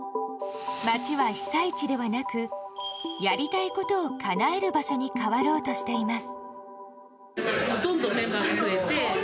町は被災地ではなくやりたいことをかなえる場所に変わろうとしています。